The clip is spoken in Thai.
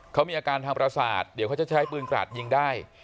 เขามีอาการทางประสาทเดี๋ยวเขาจะใช้ปืนกราดยิงได้